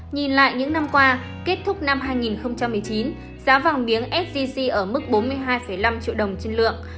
nhìn lại những năm qua kết thúc năm hai nghìn một mươi chín giá vàng miếng sgc ở mức bốn mươi hai năm triệu đồng trên lượng